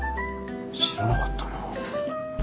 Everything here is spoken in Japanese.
知らなかったなあ。